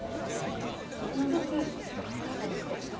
覗きだったりして。